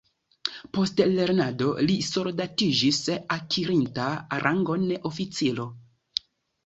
Post lernado li soldatiĝis akirinta rangon oficiro.